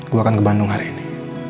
gue akan ke bandung hari ini